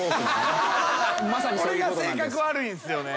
これが性格悪いんすよね。